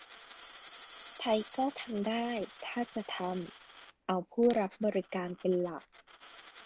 ไทยก็ทำได้ ถ้าจะทำ เอาผู้รับบริการเป็นหลัก